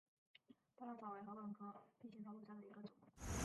巴拉草为禾本科臂形草属下的一个种。